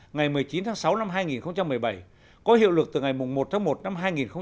ngày một mươi chín tháng sáu năm hai nghìn một mươi bảy có hiệu lực từ ngày một tháng một năm hai nghìn một mươi chín